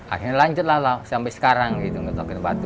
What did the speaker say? akhirnya lanjutlah sampai sekarang gitu ngetokin batu